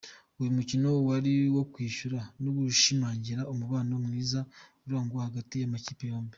Uyu mukino wari uwo kwishyura, no gushimangira umubano mwiza urangwa hagati y’amakipe yombi.